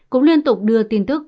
cũng liên tục đưa tin tức